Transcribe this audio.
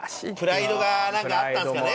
プライドがなんかあったんですかね？